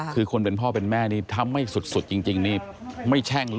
ถ้าลำบากมาถ้าไม่มีเงิน